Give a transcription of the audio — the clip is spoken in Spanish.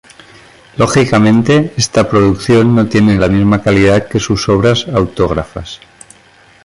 Lógicamente, esta producción no tiene la misma calidad que sus obras autógrafas.